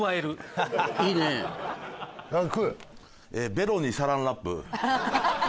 「ベロにサランラップ」